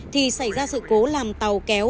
thì xảy ra sự cố làm tàu kéo